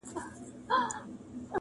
چي په کلي په مالت کي وو ښاغلی،